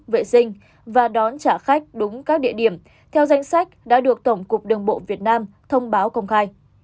vệ sinh và đón trả khách đúng các địa điểm theo danh sách đã được tổng cục đường bộ việt nam thông báo công khai